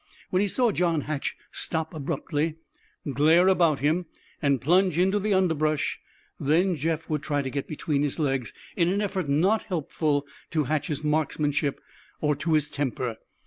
When he saw John Hatch stop abruptly, glare about him, and plunge into the underbush, then Jeff would try to get between his legs, an effort not helpful to Hatch's marksmanship or to his temper.